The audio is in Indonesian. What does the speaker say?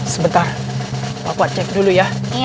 sebentar pak pak cek dulu ya